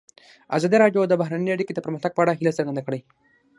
ازادي راډیو د بهرنۍ اړیکې د پرمختګ په اړه هیله څرګنده کړې.